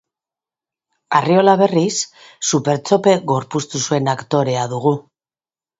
Arriola, berriz, Supertxope gorpuztu zuen aktorea dugu.